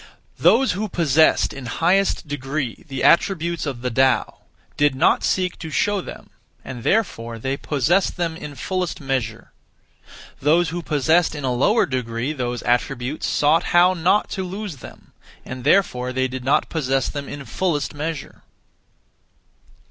(Those who) possessed in highest degree the attributes (of the Tao) did not (seek) to show them, and therefore they possessed them (in fullest measure). (Those who) possessed in a lower degree those attributes (sought how) not to lose them, and therefore they did not possess them (in fullest measure).